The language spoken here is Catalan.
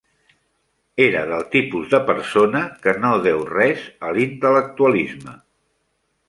Era del tipus de persona que no deu res a l'intel·lectualisme.